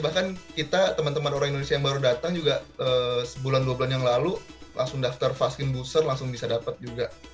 bahkan kita teman teman orang indonesia yang baru datang juga sebulan dua bulan yang lalu langsung daftar vaksin booster langsung bisa dapat juga